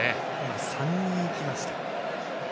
３人行きました。